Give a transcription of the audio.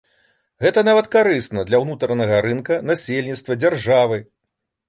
Гэта нават карысна для ўнутранага рынка, насельніцтва, дзяржавы.